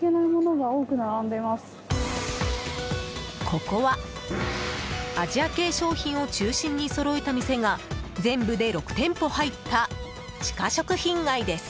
ここはアジア系商品を中心にそろえた店が全部で６店舗入った地下食品街です。